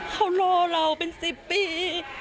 เขารอเราเป็น๑๐ปี